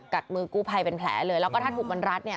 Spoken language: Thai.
มือกู้ภัยเป็นแผลเลยแล้วก็ถ้าถูกมันรัดเนี่ย